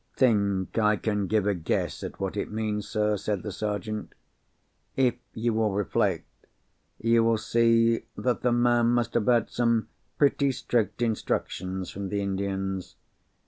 "I think I can give a guess at what it means, sir," said the Sergeant. "If you will reflect, you will see that the man must have had some pretty strict instructions from the Indians.